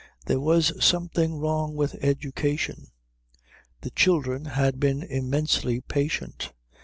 There was something wrong with education. The children had been immensely patient.